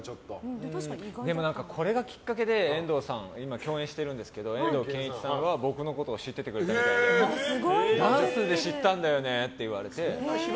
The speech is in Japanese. これがきっかけで今、共演している遠藤憲一さんは僕のことを知っててくれたみたいでダンスで知ったんだよねって言われて。